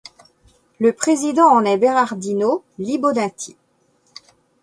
Le président en est Berardino Libonati.